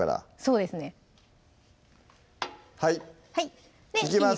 そうですねはいいきます